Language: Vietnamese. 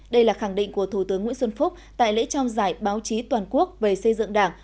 đây là khẳng định của thủ tướng nguyễn xuân phúc tại lễ trao giải báo chí toàn quốc về xây dựng đảng